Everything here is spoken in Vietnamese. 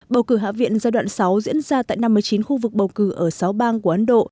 bầu cử hạ viện giai đoạn sáu diễn ra tại năm mươi chín khu vực bầu cử ở sáu bang của ấn độ